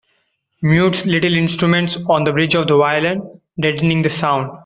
Mutes little instruments on the bridge of the violin, deadening the sound.